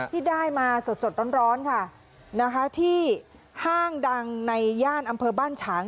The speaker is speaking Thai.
ที่ได้มาสดร้อนค่ะนะคะที่ห้างดังในย่านอำเภอบ้านฉาง